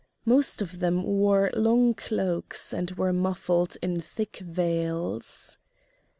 Most of them wore long cloaks and were muffled in thick veils.